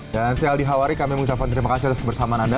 dan saya aldi hawari kami mengucapkan terima kasih atas kebersamaan anda